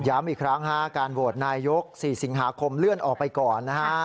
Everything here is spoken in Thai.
อีกครั้งฮะการโหวตนายก๔สิงหาคมเลื่อนออกไปก่อนนะฮะ